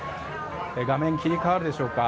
画面、切り替わるでしょうか。